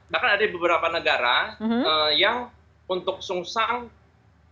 bahkan ada di beberapa negara yang untuk sungsang mereka rekomendasi